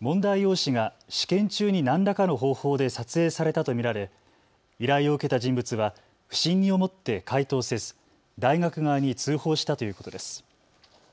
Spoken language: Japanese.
問題用紙が試験中に何らかの方法で撮影されたと見られ依頼を受けた人物は不審に思って解答せず大学側に通報したということです。